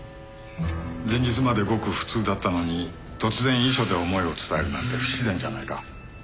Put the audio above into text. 前日までごく普通だったのに突然遺書で思いを伝えるなんて不自然じゃないか？